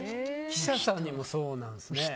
記者さんにもそうなんですね。